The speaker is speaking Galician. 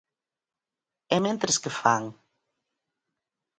¿E mentres que fan?